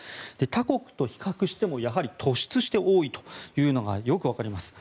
他国と比較してもやはり突出して多いのがよく分かります。